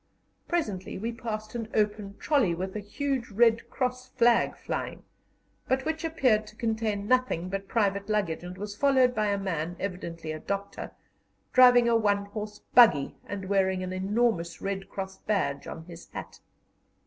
Presently we passed an open trolley with a huge red cross flag flying, but which appeared to contain nothing but private luggage, and was followed by a man, evidently a doctor, driving a one horse buggy, and wearing an enormous red cross badge on his hat.